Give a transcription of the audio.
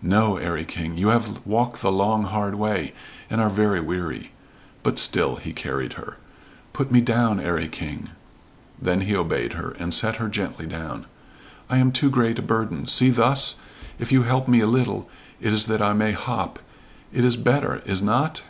"No, 'Arry King. You have walk the long, hard way, and are very weary." But still he carried her. "Put me down, 'Arry King." Then he obeyed her, and set her gently down. "I am too great a burden. See, thus? If you help me a little it is that I may hop It is better, is not?"